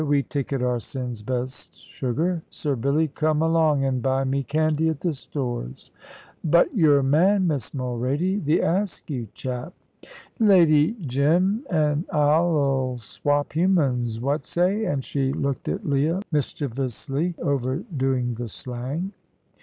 We ticket our sins best sugar. Sir Billy, come along an' buy me candy at the stores." "But your man, Miss Mulrady the Askew chap?" "Lady Jim an' I 'ull swap humans. What say?" and she looked at Leah, mischievously overdoing the slang.